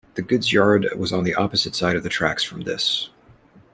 The goods yard was on the opposite side of the tracks from this.